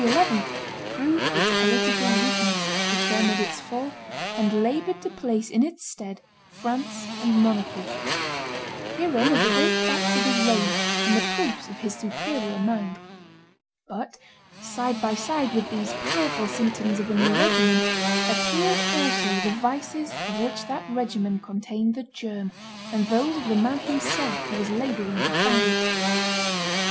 proved its political weakness, determined its fall, and labored to place in its stead France and monarchy. Herein are the great facts of his reign, and the proofs of his superior mind. But side by side with these powerful symptoms of a new regimen appeared also the vices of which that regimen contained the germ, and those of the man himself who was laboring to found it.